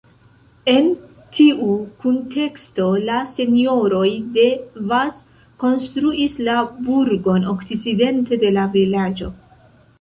En tiu kunteksto la Senjoroj de Vaz konstruis la burgon okcidente de la vilaĝo.